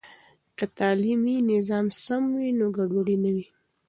که تعلیمي نظام سم وي، نو ګډوډي نه وي.